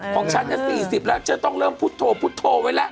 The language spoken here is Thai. ของฉันละ๔๐แล้วจะต้องเริ่มพุทโทพุทโทไว้และ